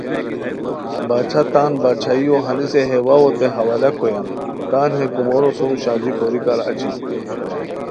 باچھا تان باچھائیو ہنیسے ہے واوؤتے حوالا کویان، تان ہے کومورو سوم شادی کوریکار اچی